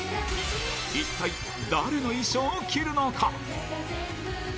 一体誰の衣装を着るのか。